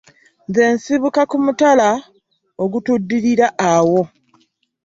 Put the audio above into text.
Nze nsibuka ku mutala ogutuddirira awo.